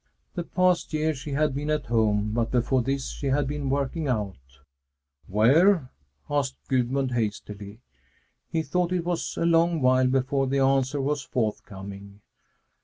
The past year she had been at home, but before this she had been working out. "Where?" asked Gudmund hastily. He thought it was a long while before the answer was forthcoming.